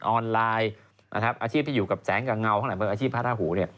ออนไลน์อาชีพที่อยู่กับแสงกับเงาหรืออาชีพพระราหู